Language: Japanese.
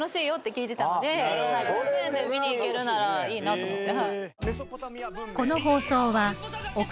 ５００円で見に行けるならいいなと思って。